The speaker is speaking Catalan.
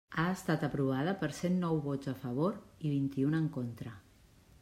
Ha estat aprovada per cent nou vots a favor i vint-i-un en contra.